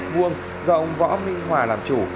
do ông võ minh hòa làm chủ